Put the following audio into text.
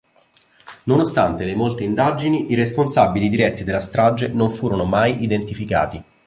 Nonostante le molte indagini, i responsabili diretti della strage non furono mai identificati.